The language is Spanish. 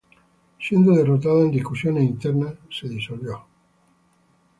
Siendo derrotada en discusiones internas, se disolvió.